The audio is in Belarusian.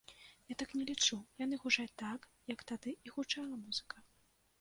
Я так не лічу, яны гучаць так, як тады і гучала музыка.